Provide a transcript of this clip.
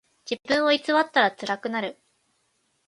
自分を偽ったらつらくなる。